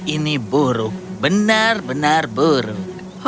ini buruk benar benar buruk